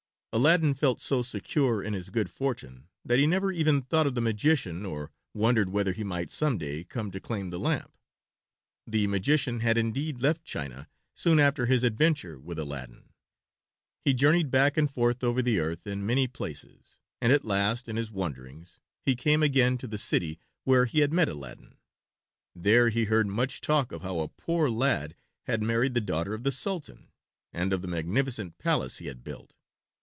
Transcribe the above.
Aladdin felt so secure in his good fortune that he never even thought of the magician or wondered whether he might some day come to claim the lamp. The magician had indeed left China soon after his adventure with Aladdin. He journeyed back and forth over the earth in many places, and at last in his wanderings he came again to the city where he had met Aladdin. There he heard much talk of how a poor lad had married the daughter of the Sultan, and of the magnificent palace he had built.